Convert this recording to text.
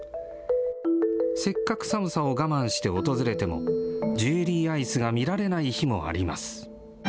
せっかく寒さを我慢して訪れても、ジュエリーアイスが見られない日もあります。